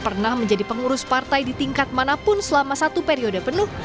pernah menjadi pengurus partai di tingkat manapun selama satu periode penuh